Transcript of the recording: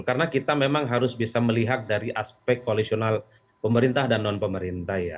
karena kita memang harus bisa melihat dari aspek koalisional pemerintah dan non pemerintah ya